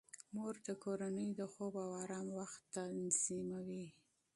مور د کورنۍ د خوب او آرام وخت تنظیموي.